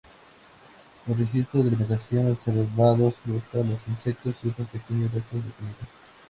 Los registros de alimentación observados fruta, los insectos y otros pequeños resto de comida.